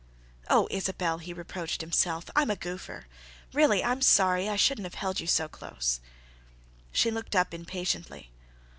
"Oh, Isabelle," he reproached himself, "I'm a goopher. Really, I'm sorry—I shouldn't have held you so close." She looked up impatiently.